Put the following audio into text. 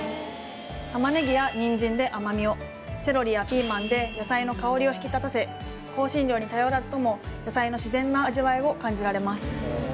玉ねぎやニンジンで甘みをセロリやピーマンで野菜の香りを引き立たせ香辛料に頼らずともを感じられます